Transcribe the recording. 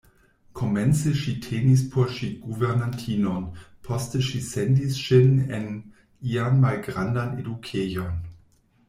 Komence ŝi tenis por ŝi guvernantinon, poste ŝi sendis ŝin en ian malgrandan edukejon.